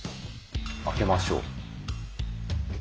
開けましょう。